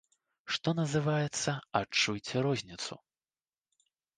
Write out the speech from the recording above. Што называецца, адчуйце розніцу.